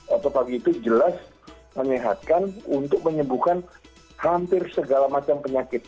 otopagi itu jelas menyehatkan untuk menyembuhkan hampir segala macam penyakit